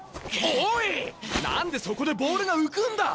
何でそこでボールが浮くんだ！